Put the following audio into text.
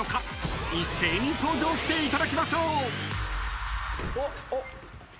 ［一斉に登場していただきましょう］